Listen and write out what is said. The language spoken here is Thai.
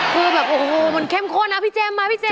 คือแบบโอ้โหมันเข้มข้นนะพี่เจมสมาพี่เจม